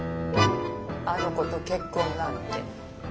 あの子と結婚なんて。